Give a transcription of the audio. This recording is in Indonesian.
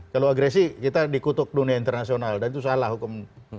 kalau agresi kita dikutuk dunia internasional dan itu salah hukum